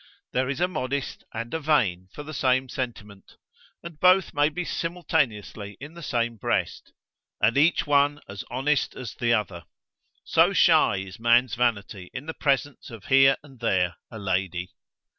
There is a modest and a vain for the same sentiment; and both may be simultaneously in the same breast; and each one as honest as the other; so shy is man's vanity in the presence of here and there a lady.